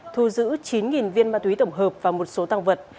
thu giữ chín viên ma túy tổng hợp và một số tăng vật